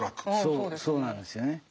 ああそうですね。